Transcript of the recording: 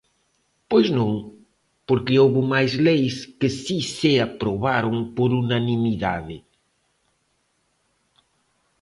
Pois non, porque houbo máis leis que si se aprobaron por unanimidade.